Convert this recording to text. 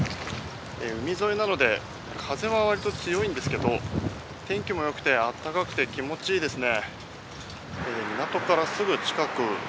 海沿いなので風はわりと強いんですけど天気もよくてあったかくて気持ちいいですね。